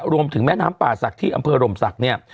แม่น้ำป่าศักดิ์ที่อำเภอร่มศักดิ์เนี่ย